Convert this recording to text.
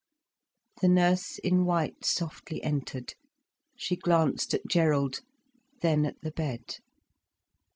The nurse in white softly entered. She glanced at Gerald, then at the bed.